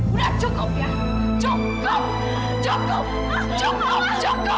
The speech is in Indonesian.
udah cukup ya cukup cukup cukup cukup cukup